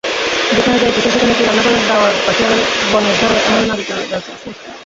যেখানে যাইতেছে, সেখানে কি রান্নাঘরের দাওয়ার পাশে বনের ধারে এমন নাবিকেল গাছ আছে?